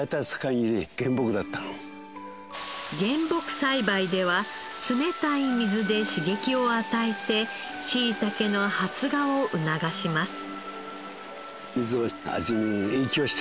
原木栽培では冷たい水で刺激を与えてしいたけの発芽を促します。